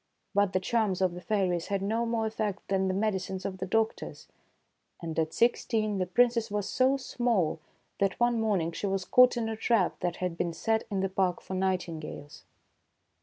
But the charms of the fairies had no more effect than the medicines of the doctors ; and at sixteen the Princess was so small that one morning she was caught in a trap that had been set in the park for nightingales.